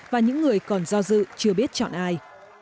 và những người còn do dự chưa biết chọn ai